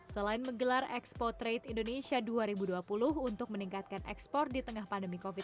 selain menggelar expo trade indonesia dua ribu dua puluh untuk meningkatkan ekspor di tengah pandemi covid sembilan belas